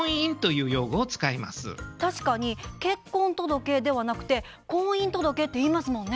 確かに「結婚届」ではなくて「婚姻届」って言いますもんね。